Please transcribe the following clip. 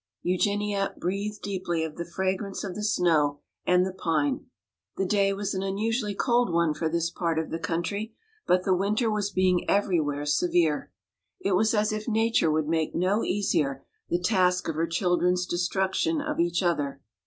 Eugenia breathed deeply of the fragrance of the snow and the pine. The day was an unusually cold one for this part of the country, but the winter was being everywhere severe. It was as if nature would make no easier the task of her children's destruction of each other.